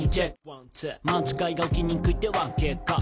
「間違いが起きにくいってわけか」